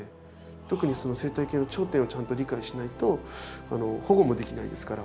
特にその生態系の頂点をちゃんと理解しないと保護もできないですから。